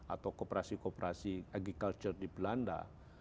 atau kooperasi kooperasi agriculture di belanda